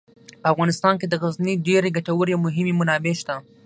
په افغانستان کې د غزني ډیرې ګټورې او مهمې منابع شته.